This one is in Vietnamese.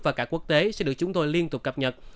và cả quốc tế sẽ được chúng tôi liên tục cập nhật